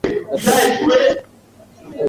Hivyo anataka siku hizo tatu za maombi kuheshimiwa